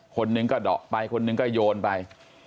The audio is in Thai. คนหนึ่งก็เดาะไปคนหนึ่งก็โยนไป